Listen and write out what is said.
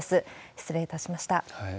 失礼いたしました。